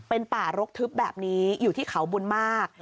เป็นป่ารกทึบแบบนี้อยู่ที่เขาบุญมาก